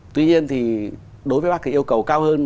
tuy nhiên thì đối với bác thì yêu cầu cao hơn